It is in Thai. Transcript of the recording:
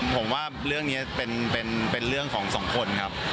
ผมว่าเรื่องนี้เป็นเรื่องของสองคนครับ